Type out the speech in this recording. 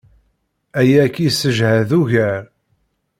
Aya ad k-yessejhed ugar.